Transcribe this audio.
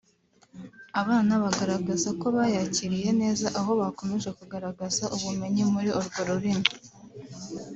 abana bagaragaza ko bayakiriye neza aho bakomeje kugaragaza ubumenyi muri urwo rurimi